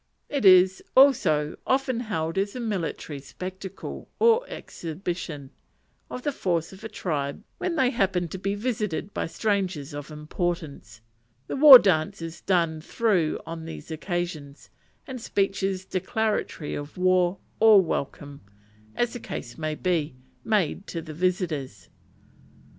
It is, also, often held as a military spectacle, or exhibition, of the force of a tribe when they happen to be visited by strangers of importance: the war dance is gone through on these occasions, and speeches declaratory of war, or welcome, as the case may be, made to the visitors.